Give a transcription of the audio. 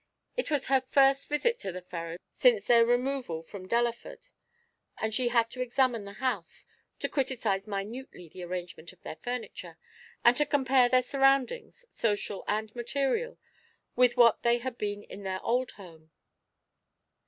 It was her first visit to the Ferrars's since their removal from Delaford, and she had to examine the house, to criticize minutely the arrangement of their furniture, and to compare their surroundings, social and material, with what they had been in their old home.